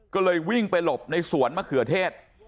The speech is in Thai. ก็เลยวิ่งไปหลบในสวนมะเขือเทศ